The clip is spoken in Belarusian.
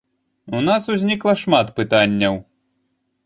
У нас узнікла шмат пытанняў.